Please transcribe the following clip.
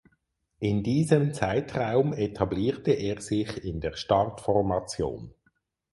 In diesem Zeitraum etablierte er sich in der Startformation.